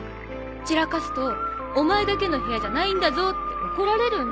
散らかすと「お前だけの部屋じゃないんだぞ」って怒られるんだ。